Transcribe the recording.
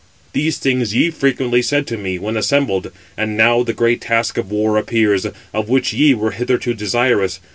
These things ye frequently said to me, when assembled; and now the great task of war appears, of which ye were hitherto desirous.